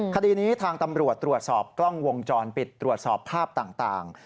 คดีนี้ทางตำรวจตรวจสอบกล้องวงจรปิดตรวจสอบภาพต่าง